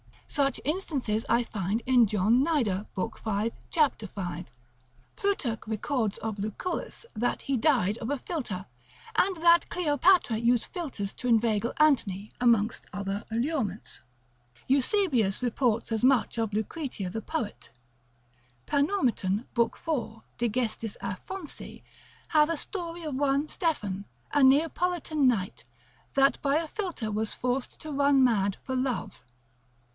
Such instances I find in John Nider, Formicar. lib. 5. cap. 5. Plutarch records of Lucullus that he died of a philter; and that Cleopatra used philters to inveigle Antony, amongst other allurements. Eusebius reports as much of Lucretia the poet. Panormitan, lib. 4. de gest. Aphonsi, hath a story of one Stephan, a Neapolitan knight, that by a philter was forced to run mad for love.